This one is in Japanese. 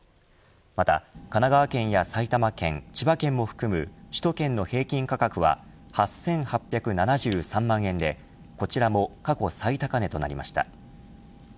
また、神奈川県や埼玉県千葉県も含む首都圏の平均価格は８８７３万円でこちらも過去最高値となりました。